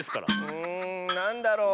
うんなんだろう？